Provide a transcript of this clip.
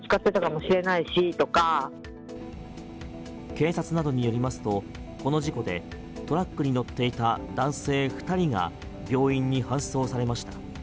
警察などによりますとこの事故でトラックに乗っていた男性２人が病院に搬送されました。